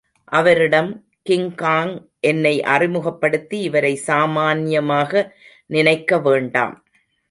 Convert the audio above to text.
அவரிடம் கிங்காங் என்னை அறிமுகப்படுத்தி இவரை சாமான்யமாக நினைக்க வேண்டாம்.